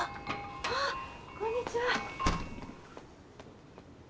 あっこんにちは。